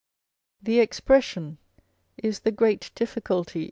The expression is the great difficulty